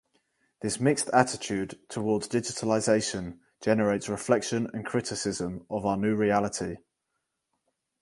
This mixed attitude towards digitalization generates reflection and criticism of our new reality.